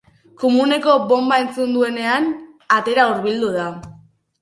Komuneko bonba entzun duenean, atera hurbildu da.